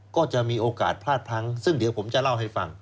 ก็จะมีโอกาสพลาดพลั้งซึ่งเดี๋ยวผมจะเล่าให้ฟัง